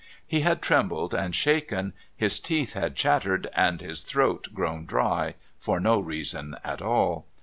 He had trembled and shaken, his teeth had chattered and his throat grown dry for no reason at all.